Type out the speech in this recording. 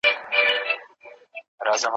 هغه له ډېرو کلونو راهیسې پرلپسې تحقیق کوي.